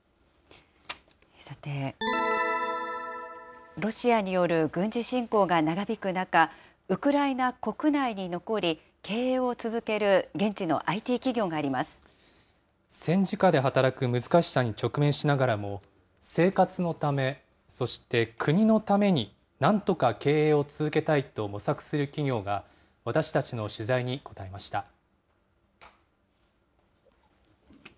さて、ロシアによる軍事侵攻が長引く中、ウクライナ国内に残り、経営を続ける現地のＩＴ企業戦時下で働く難しさに直面しながらも、生活のため、そして国のために、なんとか経営を続けたいと模索する企業が私たちの取材に応えました。